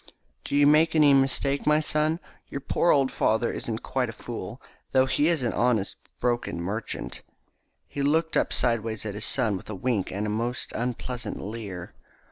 "Don't you make any mistake, my son. Your poor old father isn't quite a fool, though he is only an honest broken merchant." He looked up sideways at his son with a wink and a most unpleasant leer.